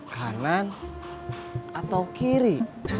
kanan atau kiri